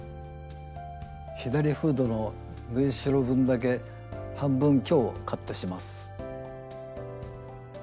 左フードの縫いしろ分だけ半分強カットします。